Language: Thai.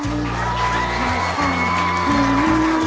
๖งาน